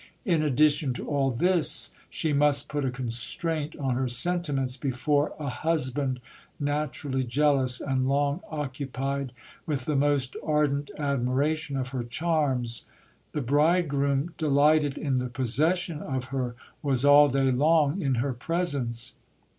In addition to all this, she must put a constraint on her sentiments before a husband, naturally jealous, and long occupied with the most ardent admiration of her charms. The bridegroom, delighted in the possession of her, was all day long in her presence.